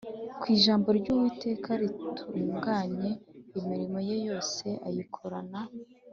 Kuki ijambo ry’uwiteka ritunganye, imirimo ye yose ayikorana